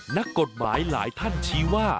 นักกฎหมายหลายท่านชี้ว่า